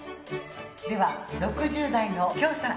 では６０代の許さん。